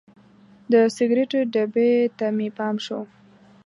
د سګریټو ډبي ته مې پام شو.